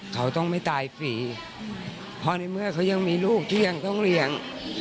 เขาต้องไม่ตายฟรีเพราะในเมื่อเขายังมีลูกที่ยังต้องเลี้ยง